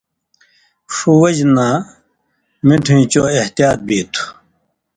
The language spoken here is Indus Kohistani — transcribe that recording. ݜُو وجہۡ نہ مِٹُھویں چو احتیاط بی تُھو۔